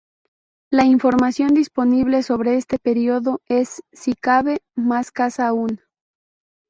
La información disponible sobre este período es, si cabe, más escasa aún.